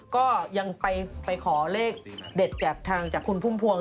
ก็ยังไปขอเลขเด็ดจากทางจากคุณพุ่มพวง